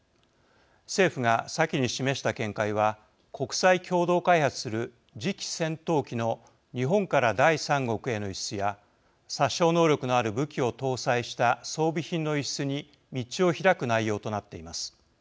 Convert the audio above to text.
政府が先に示した見解は国際共同開発する次期戦闘機の日本から第三国への輸出や殺傷能力のある武器を搭載した装備品の輸出に道を開く内容となっています。